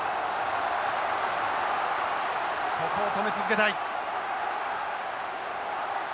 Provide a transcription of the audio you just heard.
ここを止め続けたい。